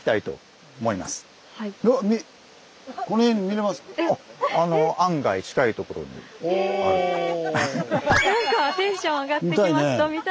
なんかテンション上がってきました。